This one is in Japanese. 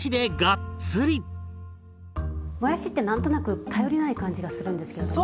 もやしって何となく頼りない感じがするんですよね。